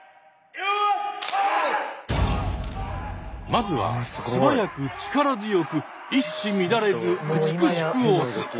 まずは素早く力強く一糸乱れず美しく推す。